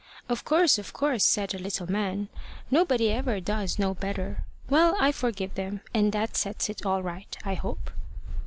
`Of course, of course,' said the little man. `Nobody ever does know better. Well, I forgive them, and that sets it all right, I hope.'